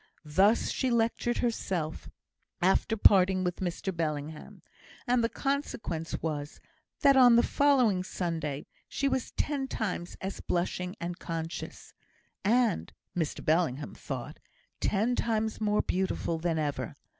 Thus she lectured herself, after parting with Mr Bellingham; and the consequence was, that on the following Sunday she was ten times as blushing and conscious, and (Mr Bellingham thought) ten times more beautiful than ever.